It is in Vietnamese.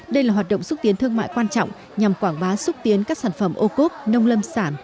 đây là hoạt động xúc tiến thương mại quan trọng nhằm quảng bá xúc tiến các sản phẩm ô cốp nông lâm sản